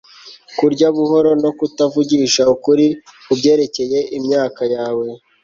kurya buhoro no kutavugisha ukuri kubyerekeye imyaka yawe